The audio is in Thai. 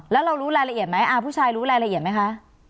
แล้วเรารู้รายละเอียดไหมผู้ชายรู้รายละเอียดไหมคะ